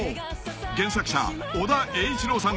［原作者尾田栄一郎さん